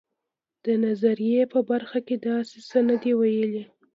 د نظریې په برخه کې داسې څه نه دي ویلي.